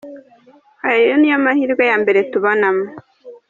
Ayo ni yo mahirwe ya mbere tubonamo.